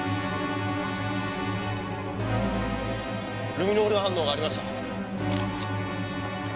ルミノール反応がありました。